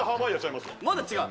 まだ違う？